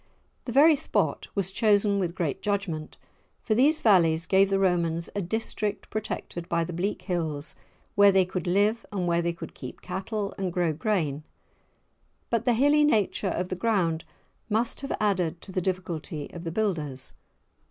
The very spot was chosen with great judgment, for these valleys gave the Romans a district protected by the bleak hills, where they could live and where they could keep cattle and grow grain. But the hilly nature of the ground must have added to the difficulty of the builders.